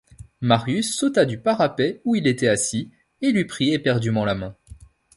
Marius sauta du parapet où il était assis et lui prit éperdument la main.